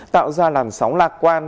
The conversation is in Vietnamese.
tạo ra làm sóng lạc quan